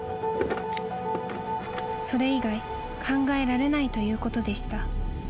［それ以外考えられないということでした］